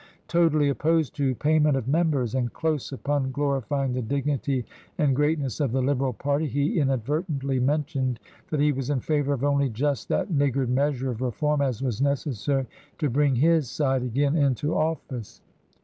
215 totally opposed to payment of members ; and close upon glorifying the dignity and greatness of the Liberal party he inadvertently mentioned that he was in favour of only just that niggard measure of reform as was necessary to bring his side again into office.